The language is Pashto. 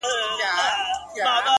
ستا دی که قند دی،